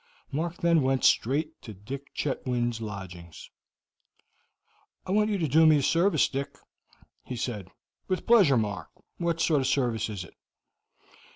Mark then went straight to Dick Chetwynd's lodgings. "I want you to do me a service, Dick," he said. "With pleasure, Mark. What sort of service is it?